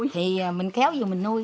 thì mình kéo vô mình nuôi